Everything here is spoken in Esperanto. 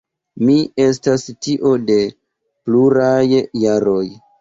Mi estas tio de pluraj jaroj.